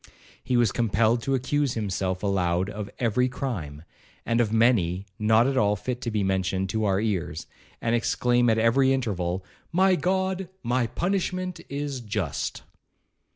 He was compelled to accuse himself aloud of every crime, and of many not at all fit to be mentioned to our ears, and exclaim at every interval, 'My God, my punishment is just.'